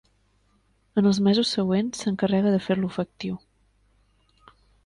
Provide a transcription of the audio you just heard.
En els mesos següents s'encarrega de fer-lo efectiu.